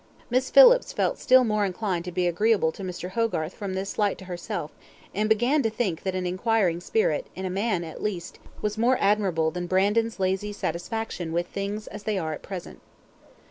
Miss Phillips felt still more inclined to be agreeable to Mr. Hogarth from this slight to herself, and began to think that an inquiring spirit, in a man at least, was more admirable than Brandon's lazy satisfaction with things as they are at present.